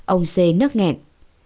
ông xê nức nghẹn